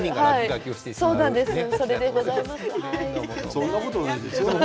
そんなことはないですよ。